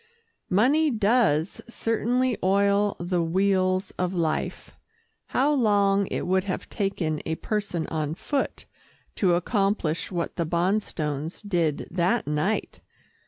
Money does certainly oil the wheels of life. How long it would have taken a person on foot to accomplish what the Bonstones did that night!